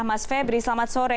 mas febri selamat sore